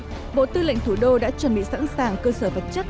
hà nội bộ tư lệnh thủ đô đã chuẩn bị sẵn sàng cơ sở vật chất